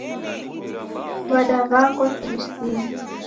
W'adaw'angwa Priscillah